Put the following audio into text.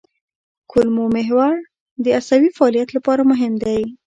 کولمو محور د عصبي فعالیت لپاره مهم دی.